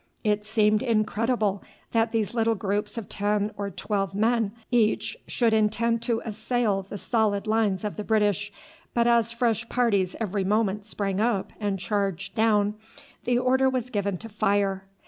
It seemed incredible that these little groups of ten or twelve men each should intend to assail the solid lines of the British, but as fresh parties every moment sprang up and charged down, the order was given to fire.